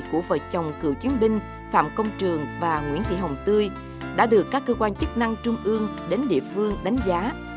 của vợ chồng cựu chiến binh phạm công trường và nguyễn thị hồng tươi đã được các cơ quan chức năng trung ương đến địa phương đánh giá